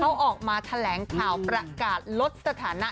เขาออกมาแถลงข่าวประกาศลดสถานะ